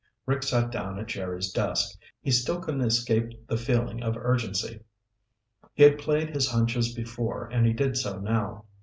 Rick sat down at Jerry's desk. He still couldn't escape the feeling of urgency. He had played his hunches before and he did so now.